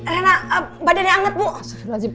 reina badannya hangat bu